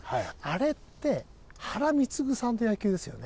あれって原貢さんの野球ですよね。